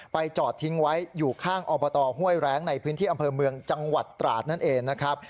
จอดทิ้งไว้อยู่ข้างอบตห้วยแรงในพื้นที่อำเภอเมืองจังหวัดตราดนั่นเองนะครับ